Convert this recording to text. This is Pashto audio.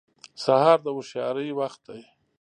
سهار د هوښیارۍ وخت دی.